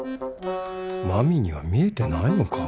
真美には見えてないのか？